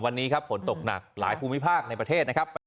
วันนี้ครับฝนตกหนักหลายภูมิภาคในประเทศนะครับ